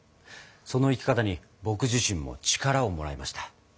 その生き方に僕自身も力をもらいました。